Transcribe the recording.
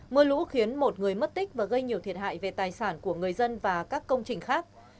mưa lũ khiến một người mất tích và gây nhiều thiệt hại về tài sản của người dân và các công trình khác